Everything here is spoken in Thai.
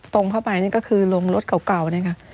ตรงเข้าไปนี่ก็คือลงรถเก่าเนี่ยค่ะ